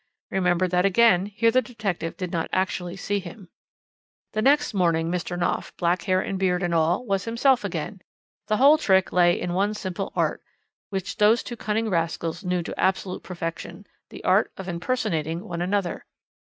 Remember that again here the detective did not actually see him. "The next morning Mr. Knopf, black hair and beard and all, was himself again. The whole trick lay in one simple art, which those two cunning rascals knew to absolute perfection, the art of impersonating one another.